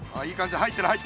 入ってる？